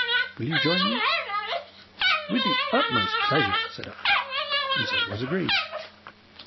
Will you join me?" "With the utmost pleasure," said I; and so it was agreed.